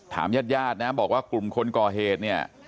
ญาติญาตินะบอกว่ากลุ่มคนก่อเหตุเนี่ย